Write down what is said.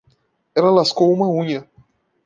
Ela lascou uma unha.